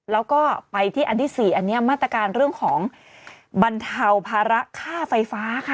แล้วก็ไปที่อันที่๔อันนี้มาตรการเรื่องของบรรเทาภาระค่าไฟฟ้าค่ะ